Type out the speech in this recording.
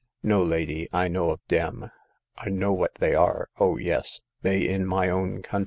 " No, lady ; I no of dem. I know what they are— oh, yes, they in my ovjtv co>itA.